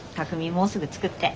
もうすぐ着くって。